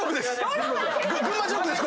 群馬ジョークです！